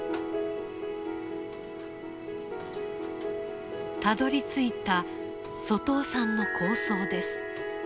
たどりついた外尾さんの構想です。